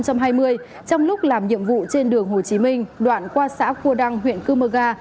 trong lúc làm nhiệm vụ trên đường hồ chí minh đoạn qua xã cua đăng huyện cư mơ ga